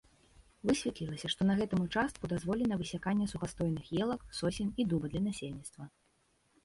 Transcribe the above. Высветлілася, што на гэтым участку дазволена высяканне сухастойных елак, сосен і дуба для насельніцтва.